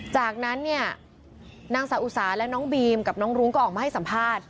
จากนั้นเนี่ยนางสาวอุสาและน้องบีมกับน้องรุ้งก็ออกมาให้สัมภาษณ์